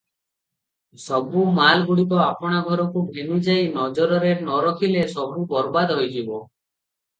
ସବୁ ମାଲଗୁଡିକ ଆପଣା ଘରକୁ ଘେନି ଯାଇ ନଜରରେ ନ ରଖିଲେ ସବୁ ବରବାଦ ହୋଇଯିବ ।"